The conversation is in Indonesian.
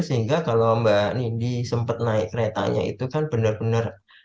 sehingga kalau mbak nindi sempat naik keretanya itu kan benar benar